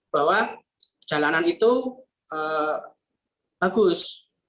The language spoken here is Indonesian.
bahwa jalanan itu bagus